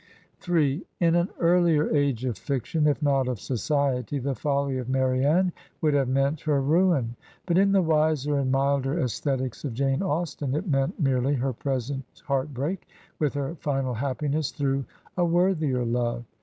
m In an earlier age of fiction, if not of society, the folly of Marianne would have meant her ruin; but in the wiser and milder aesthetics of Jane Austen it meant merely her present heart break, with her final happiness through a worthier love.